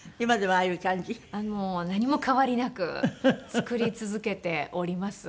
もう何も変わりなく作り続けております。